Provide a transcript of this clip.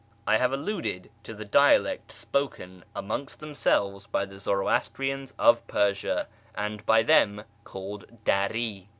I have alluded to the dialect spoken amongst themselves by the Zoroastrians of Persia, and by them called " Dari."